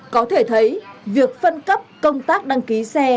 có thể thấy việc phân cấp công tác đăng ký xe